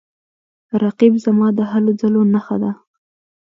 رقیب زما د هلو ځلو نښه ده